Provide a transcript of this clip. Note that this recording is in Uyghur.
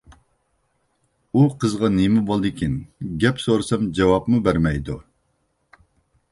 ئۇ قىزغا نېمە بولدىكىن گەپ سورىسام جاۋابمۇ بەرمەيدۇ.